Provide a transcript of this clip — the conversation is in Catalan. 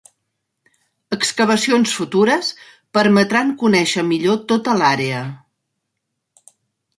Excavacions futures permetran conèixer millor tota l'àrea.